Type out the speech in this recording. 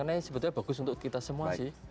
ini sebetulnya bagus untuk kita semua sih